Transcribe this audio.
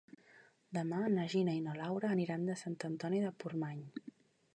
Demà na Gina i na Laura aniran a Sant Antoni de Portmany.